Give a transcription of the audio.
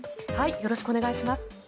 よろしくお願いします。